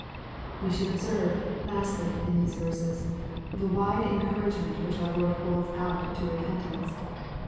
We should observe, lastly, in these verses, the. wide encouragement which our Lord holds out to repentance.